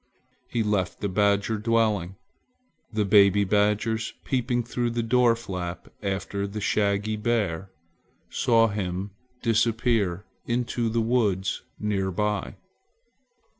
he left the badger dwelling. The baby badgers, peeping through the door flap after the shaggy bear, saw him disappear into the woods near by.